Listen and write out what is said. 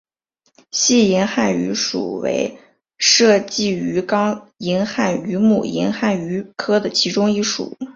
细银汉鱼属为辐鳍鱼纲银汉鱼目银汉鱼科的其中一属。